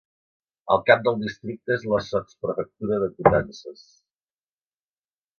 El cap del districte és la sotsprefectura de Coutances.